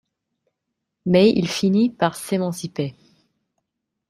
Mais il finit par s'émanciper.